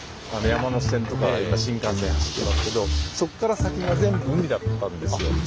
山手線とか新幹線走ってますけどそこから先が全部海だったんですよ。